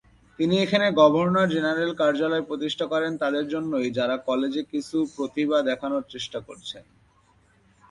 তিনি এখানে governor general কার্যালয় প্রতিষ্ঠা করেন তাদের জন্যই যারা কলেজে কিছু প্রতিভা দেখানোর চেষ্টা করেছেন।